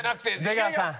出川さん